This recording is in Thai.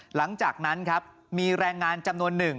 หลังจากนั้นครับมีแรงงานจำนวนหนึ่ง